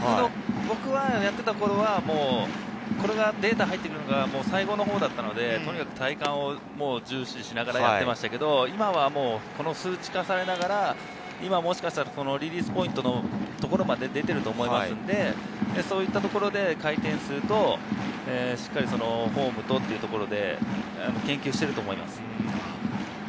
僕がやっていた頃はこれがデータが入ってくるのは最後のほうだったので、体感を重視しながらやっていましたが、今は数値化されながら、もしかしたらリリースポイントのところまで出ていると思いますので、そういったところで回転数としっかりフォームとというところで研究していると思います。